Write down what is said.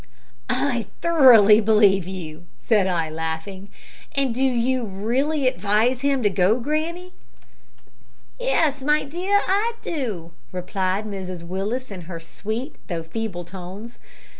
"I thoroughly believe you," said I, laughing. "And do you really advise him to go, granny?" "Yes, my dear, I do," replied Mrs Willis, in her sweet, though feeble tones.